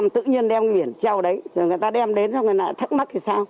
tự nhiên đem cái biển treo đấy người ta đem đến xong rồi thắc mắc